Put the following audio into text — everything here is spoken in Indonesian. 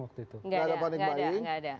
waktu itu gak ada panik baiing gak ada